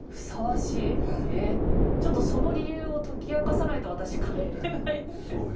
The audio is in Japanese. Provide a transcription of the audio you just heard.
ちょっとその理由を解き明かさないと私帰れないんですが。